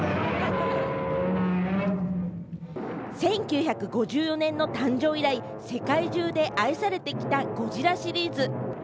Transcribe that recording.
１９５４年の誕生以来、世界中で愛されてきた『ゴジラ』シリーズ。